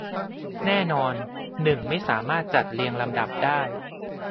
แน่นอน หนึ่งไม่สามารถจัดเรียงลำดับได้